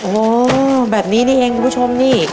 โอ้โหแบบนี้นี่เองคุณผู้ชมนี่